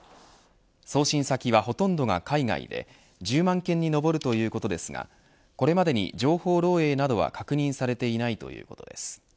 送信先はほとんどが海外で１０万件に上るということですがこれまでに情報漏えいなどは確認されていないということです。